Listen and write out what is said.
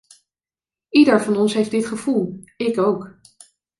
Ieder van ons heeft dit gevoel, ik ook.